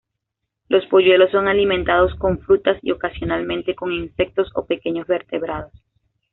Los polluelos son alimentados con frutas y ocasionalmente con insectos o pequeños vertebrados.